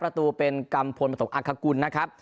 ประตูเป็นกัมพลประตกอักษกุลนะครับ